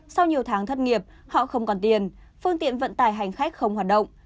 sau nhiều tháng thất nghiệp họ không còn tiền phương tiện vận tải hành khách không hoạt động